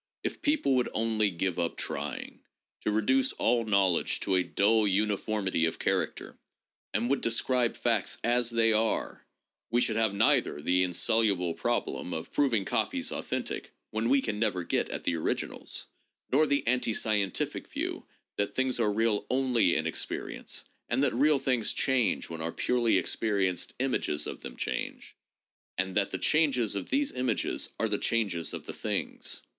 If people would only give up trying to reduce all knowledge to a dull uniformity of character and would describe facts as they are, we should have neither the insoluble problem of proving copies authentic when we can never get at the origi nals, nor the anti scientific view that things are real only in experi ence, and that real things change when our purely experienced images of them change, and that the changes of these images are the changes of the things.